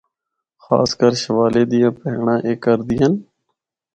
خاص کر شوالے دیاں پہینڑاں اے کردیان۔